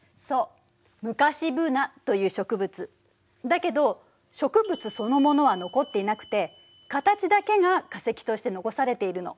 だけど植物そのものは残っていなくて形だけが化石として残されているの。